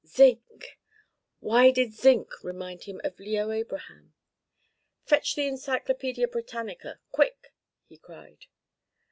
Zinc! Why did zinc remind him of Leo Abraham? "Fetch the Encyclopædia Britannica, quick!" he cried.